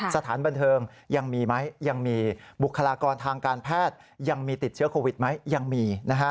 สถานบันเทิงยังมีไหมยังมีบุคลากรทางการแพทย์ยังมีติดเชื้อโควิดไหมยังมีนะฮะ